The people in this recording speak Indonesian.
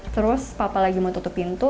terus papa lagi mau tutup pintu